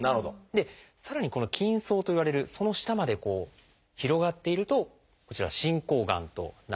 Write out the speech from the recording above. でさらにこの「筋層」といわれるその下まで広がっているとこちらは進行がんとなるんです。